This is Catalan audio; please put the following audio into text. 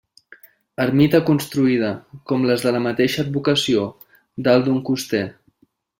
Ermita construïda, com les de la mateixa advocació, dalt d'un coster.